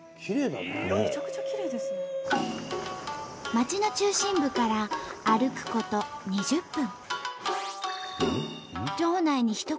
町の中心部から歩くこと２０分。